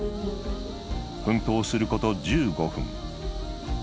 奮闘すること１５分。